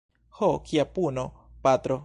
Ho, kia puno, patro!